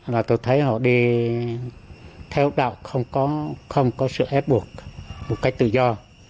là tôi thấy họ đi theo đạo không có sự ép buộc một cách tự do